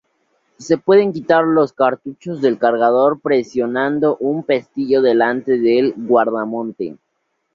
Se pueden quitar los cartuchos del cargador presionando un pestillo delante del guardamonte.